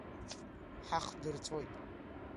Ҳахдырҵәоит…